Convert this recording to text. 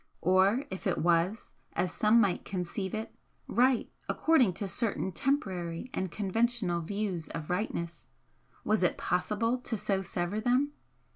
or if it was, as some might conceive it, right according to certain temporary and conventional views of 'rightness.' was it POSSIBLE to so sever them?